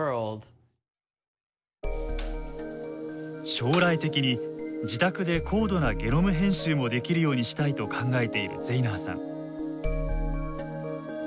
将来的に自宅で高度なゲノム編集もできるようにしたいと考えているゼイナーさん。